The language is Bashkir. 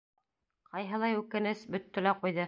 — Ҡайһылай үкенес, бөттө лә ҡуйҙы.